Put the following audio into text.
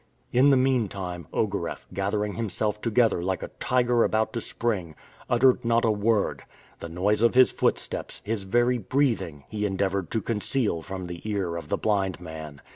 In the mean time, Ogareff, gathering himself together like a tiger about to spring, uttered not a word. The noise of his footsteps, his very breathing, he endeavored to conceal from the ear of the blind man.